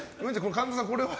神田さん、これは？